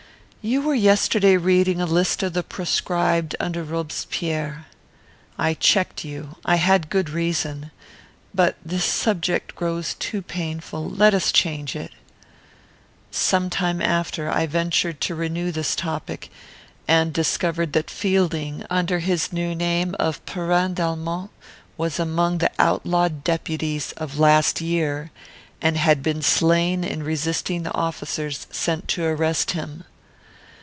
"You were yesterday reading a list of the proscribed under Robespierre. I checked you. I had good reason. But this subject grows too painful; let us change it." Some time after, I ventured to renew this topic; and discovered that Fielding, under his new name of Perrin d'Almont, was among the outlawed deputies of last year, and had been slain in resisting the officers sent to arrest him.